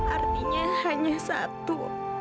artinya hanya satu